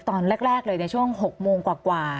ตอนแรกเลยในช่วง๖โมงกว่า